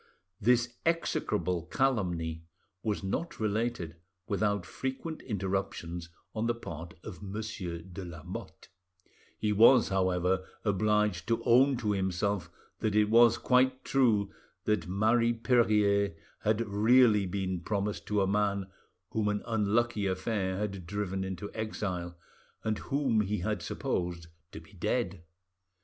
'" This execrable calumny was not related without frequent interruptions on the part of Monsieur de Lamotte. He was, however, obliged to own to himself that it was quite true that Marie Perier had really been promised to a man whom an unlucky affair had driven into exile, and whom he had supposed to be dead.